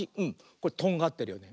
これとんがってるよね。